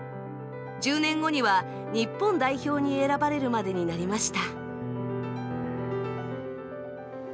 １０年後には、日本代表に選ばれるまでになりました。